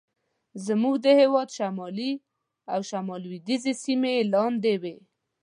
زموږ د هېواد شمالي او لوېدیځې سیمې یې لاندې وې.